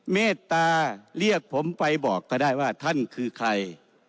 เมตตาเรียกผมไปบอกก็ได้ว่าท่านคือใคร